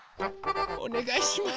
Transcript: おねがいします。